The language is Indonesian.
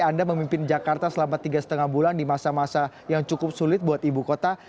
anda memimpin jakarta selama tiga lima bulan di masa masa yang cukup sulit buat ibu kota